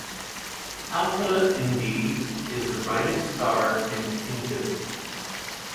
Alpha Indi is the brightest star in Indus.